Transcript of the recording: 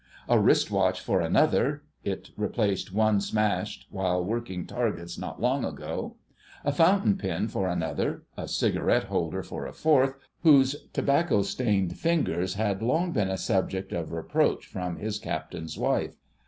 a wrist watch for another (it replaced one smashed while working targets not long ago), a fountain pen for another, a cigarette holder for a fourth, whose tobacco stained fingers had long been a subject of reproach from his Captain's wife.